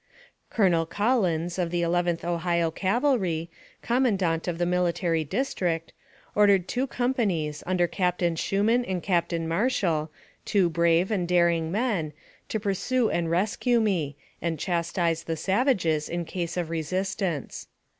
Colonel Collins., of the Eleventh Ohio Cavalry, com mandant of the military district, ordered two compa nies, under Captain Shuman and Captain Marshall, two brave and daring men, to pursue and rescue me, and chastise the savages in case of resistance.